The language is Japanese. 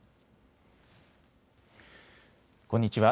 こんにちは。